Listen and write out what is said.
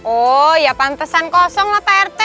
oh ya pantesan kosong lah pak rt